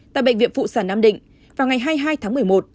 tại bệnh viện phụ sản nam định vào ngày hai mươi hai tháng một mươi một